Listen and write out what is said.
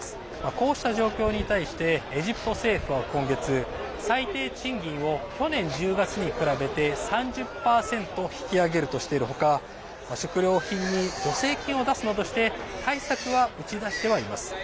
こうした状況に対してエジプト政府は今月最低賃金を去年１０月に比べて３０％引き上げるとしている他食料品に助成金を出すなどして対策は打ち出してはいます。